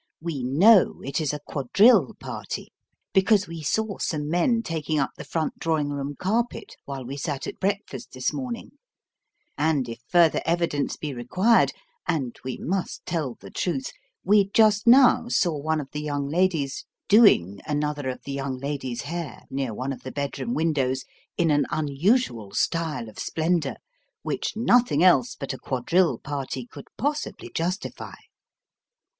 We know it is a quadrille party, because we saw some men taking up the front drawing room carpet while we sat at breakfast this morning, and if further evidence be required, and we must tell the truth, we just now saw one of the young ladies " doing " another of the young ladies' hair, near one of the bedroom windows, in an unusual style of splendour, which nothing else but a quadrille party could possibly justify.